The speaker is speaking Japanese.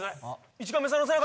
１カメさんの背中